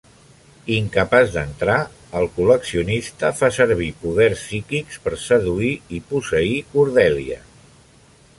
Incapaç d'entrar, el col·leccionista fa servir poders psíquics per seduir i posseir Cordelia.